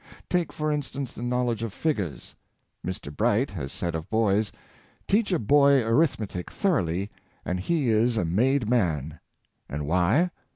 Take, for instance, the knowledge of figures. Mr. Bright has said of boys, " Teach a boy arithmetic thor oughly, and he is a made man." And why?